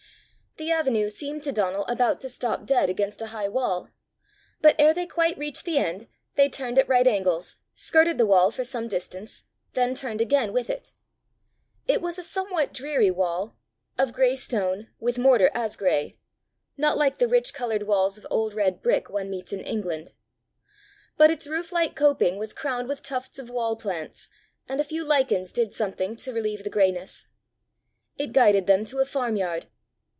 The avenue seemed to Donal about to stop dead against a high wall, but ere they quite reached the end, they turned at right angles, skirted the wall for some distance, then turned again with it. It was a somewhat dreary wall of gray stone, with mortar as gray not like the rich coloured walls of old red brick one meets in England. But its roof like coping was crowned with tufts of wall plants, and a few lichens did something to relieve the grayness. It guided them to a farm yard.